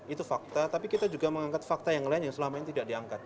itu fakta tapi kita juga mengangkat fakta yang lain yang selama ini tidak diangkat